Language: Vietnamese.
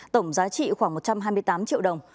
tổng giá trị khoảng một trăm hai mươi tám triệu đồng